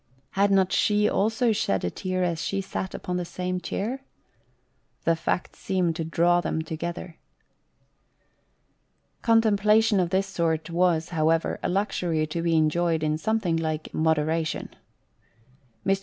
Had not she also shed a tear as she sat upon the same chair? The fact seemed to draw them together. Contemplation of this sort was, however, a luxury to be enjoyed in something like modera tion. Mr.